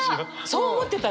そう思ってた！